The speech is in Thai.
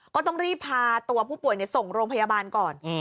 ก็ต้องรีบพาตัวผู้ป่วยส่งโรงพยาบาลก่อน